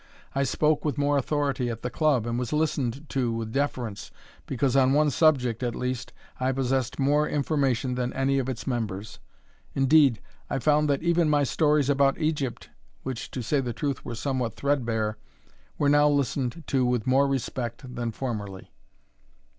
I spoke with more authority at the club, and was listened to with deference, because on one subject, at least, I possessed more information than any of its members. Indeed, I found that even my stories about Egypt, which, to say truth, were somewhat threadbare, were now listened to with more respect than formerly.